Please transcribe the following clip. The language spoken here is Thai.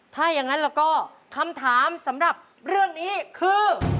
ถ้าอย่างนั้นแล้วก็คำถามสำหรับเรื่องนี้คือ